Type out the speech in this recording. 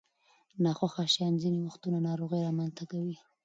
ناخوښه شیان ځینې وختونه ناروغۍ رامنځته کوي.